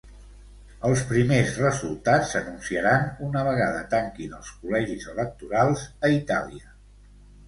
Els primers resultats s'anunciaran una vegada tanquin els col·legis electorals a Itàlia.